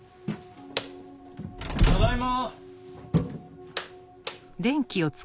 ただいま！